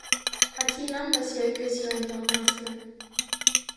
McKinnon nació y creció en Long Island.